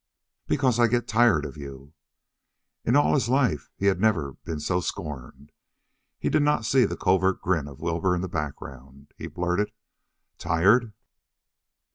"Because I get tired of you." In all his life he had never been so scorned. He did not see the covert grin of Wilbur in the background. He blurted: "Tired?"